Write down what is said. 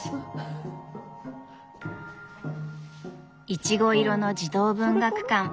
いちご色の児童文学館。